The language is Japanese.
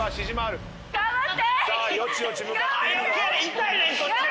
痛いねんこっちは！